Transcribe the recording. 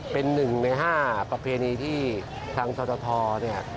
เป็นหนึ่งใน๕ประเพณีที่ทางททเนี่ย